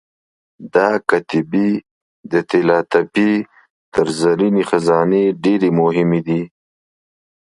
دا کتیبې د طلاتپې تر زرینې خزانې ډېرې مهمې دي.